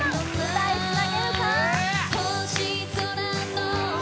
歌いつなげるか？